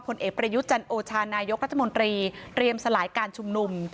ผลเอกประยุทธ์จันโอชานายกรัฐมนตรีเตรียมสลายการชุมนุม